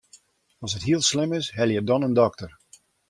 As it hiel slim is, helje dan in dokter.